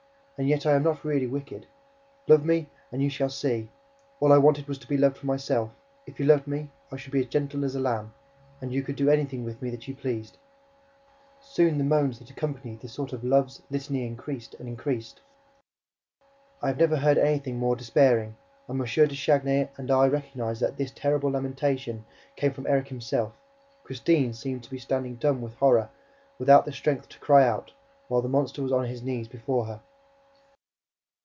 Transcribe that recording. And yet I am not really wicked. Love me and you shall see! All I wanted was to be loved for myself. If you loved me I should be as gentle as a lamb; and you could do anything with me that you pleased." Soon the moans that accompanied this sort of love's litany increased and increased. I have never heard anything more despairing; and M. de Chagny and I recognized that this terrible lamentation came from Erik himself. Christine seemed to be standing dumb with horror, without the strength to cry out, while the monster was on his knees before her.